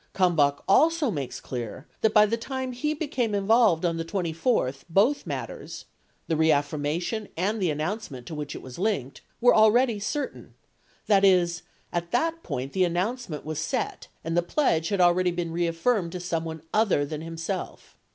Kalmbach also makes clear that by the time he became involved on the 24th, both matters — the reaffirmation and the announce ment to which it was linked — were already certain; that is, at that point the announcement was set and the pledge had already been reaffirmed to someone other than himself.